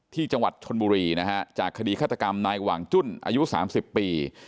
ที่จังหวัดชนบุรีนะฮะจากคดีฆาตกรรมนายหว่างจุ้นอายุ๓๐ปี